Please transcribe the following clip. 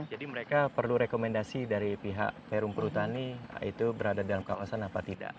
jadi mereka perlu rekomendasi dari pihak perum perutani itu berada dalam kawasan apa tidak